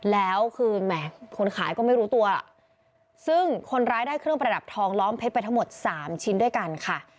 แล้วคือแหมคนขายก็ไม่รู้ตัวซึ่งคนร้ายได้เครื่องประดับทองล้อมเพชรไปทั้งหมดสามชิ้นด้วยกันค่ะ